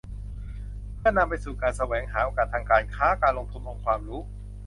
เพื่อนำไปสู่การแสวงหาโอกาสทางการค้า การลงทุน องค์ความรู้